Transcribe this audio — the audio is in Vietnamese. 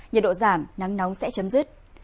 nhiệt độ giảm nắng nóng sẽ chấm dứt